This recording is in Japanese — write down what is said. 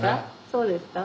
そうですか。